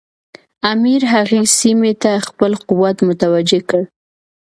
امیر هغې سیمې ته خپل قوت متوجه کړ.